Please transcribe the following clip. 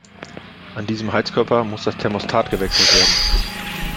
An diesem Heizkörper muss das Thermostat gewechselt werden.